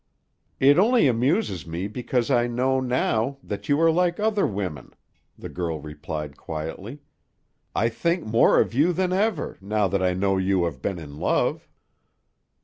"It only amuses me because I know now that you are like other women," the girl replied quietly. "I think more of you than ever, now that I know you have been in love."